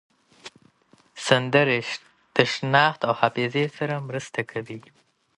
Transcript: سندرې د شناخت او حافظې سره مرسته کوي.